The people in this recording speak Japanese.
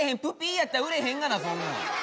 やったら売れへんがなそんなん。